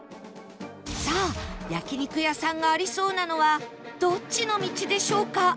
さあ焼肉屋さんがありそうなのはどっちの道でしょうか？